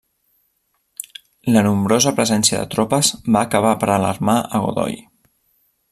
La nombrosa presència de tropes va acabar per alarmar a Godoy.